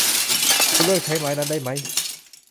คุณเลิกใช้ไม้นั้นได้มั้ย !